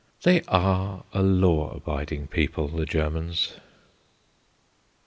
They are a law abiding people, the Germans.